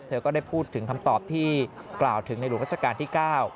ก็ได้พูดถึงคำตอบที่กล่าวถึงในหลวงราชการที่๙